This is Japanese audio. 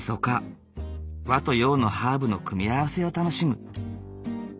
和と洋のハーブの組み合わせを楽しむ。